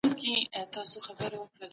چرګکی 🐣